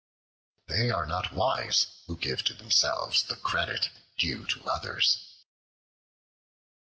They are not wise who give to themselves the credit due to others.